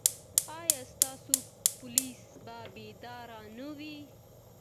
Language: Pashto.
ایا ستاسو پولیس به بیدار نه وي؟